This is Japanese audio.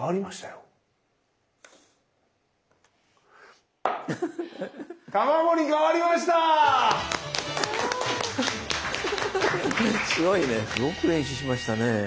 よく練習しましたね。